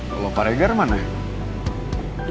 kalau pak regar mana ya